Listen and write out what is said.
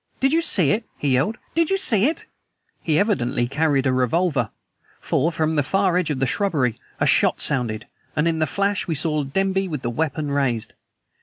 "Did you see it?" he yelled. "Did you see it?" He evidently carried a revolver. For from the edge of the shrubbery a shot sounded, and in the flash we saw Denby with the weapon raised.